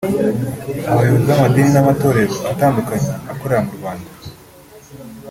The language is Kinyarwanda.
Abayobozi b’amadini n’amatorero atandukanye akorera mu Rwanda